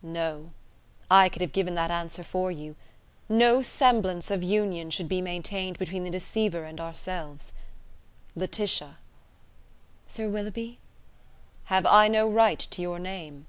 "No. I could have given that answer for you. No semblance of union should be maintained between the deceiver and ourselves. Laetitia!" "Sir Willoughby?" "Have I no right to your name?"